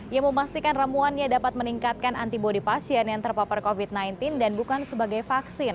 ia memastikan ramuannya dapat meningkatkan antibody pasien yang terpapar covid sembilan belas dan bukan sebagai vaksin